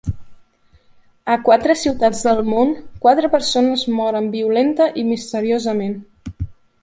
A quatre ciutats del món, quatre persones moren violenta i misteriosament.